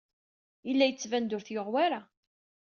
Yella yettban-d ur t-yuɣ wara.